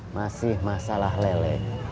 masih masalah lele